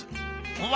うわ！